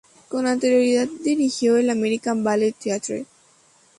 Con anterioridad dirigió el American Ballet Theatre.